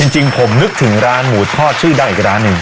จริงผมนึกถึงร้านหมูทอดชื่อดังอีกร้านหนึ่ง